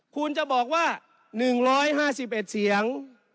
คุณจะบอกว่า๑๕๑เสียง